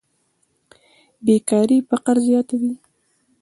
بېکاري فقر زیاتوي.